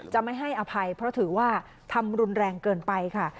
จะไม่ให้อภัยเพราะถือว่าทำรุนแรงเกินไปค่ะ